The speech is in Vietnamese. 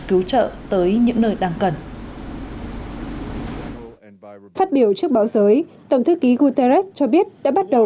cứu trợ tới những nơi đang cần phát biểu trước báo giới tổng thư ký guterres cho biết đã bắt đầu